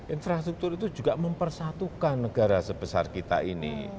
infrastruktur itu juga mempersatukan negara sebesar kita ini